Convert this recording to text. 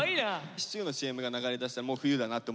シチューのＣＭが流れ出したらもう冬だなって思うよね。